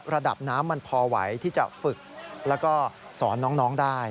ระดับน้ำมันพอไหวที่จะฝึกแล้วก็สอนน้องได้